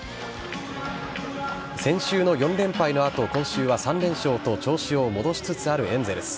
先週の４連敗の後今週は３連勝と調子を戻しつつあるエンゼルス。